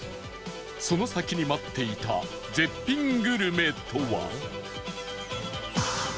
その先に待っていた絶品グルメとは？